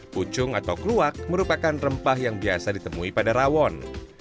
pucung atau kluwak merupakan rempah yang biasa ditemui pada rawon